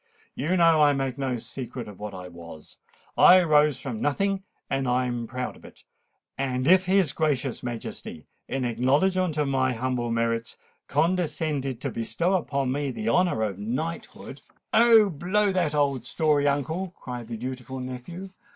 You know I make no secret of what I was. I rose from nothing—and I'm proud of it. And if his gracious Majesty, in acknowledgment of my humble merits, condescended to bestow upon me the honour of knighthood——" "Oh! blow that old story, uncle!" cried the dutiful nephew.